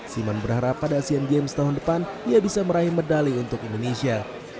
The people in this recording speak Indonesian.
siman berharap pada asian games tahun depan ia bisa meraih medali untuk indonesia